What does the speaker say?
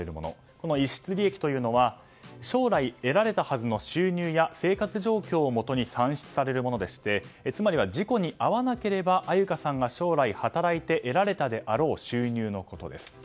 この逸失利益というものは将来得られたはずの収入や生活状況をもとに算出されるものでしてつまりは事故に遭わなければ安優香さんが将来、働いて得られたであろう収入のことです。